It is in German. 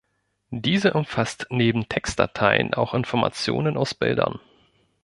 Diese umfasst neben Textdateien auch Informationen aus Bildern.